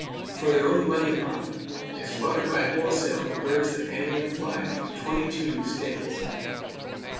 For their own money profit, they slaughter by wholesale the birds that annually fly through twenty two states.